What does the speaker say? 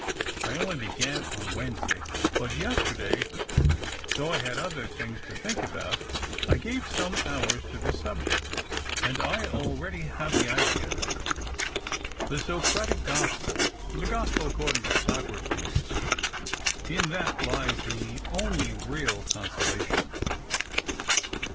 I only began on Wednesday. But yesterday — though I had other things to think about — I gave some hours to the subject, and I already have the idea. The Socratic gospel — the gospel according to Socrates — in that lies the only real consolation."